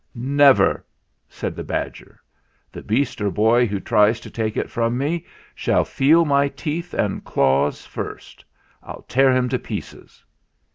"Never," said the badger ; "the beast or boy who tries to take it from me shall feel my teeth and claws first. I'll tear him to pieces